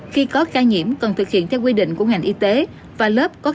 khi có ca nhiễm cần thực hiện theo quy định của ngành y tế và lớp có ca nghi nhiễm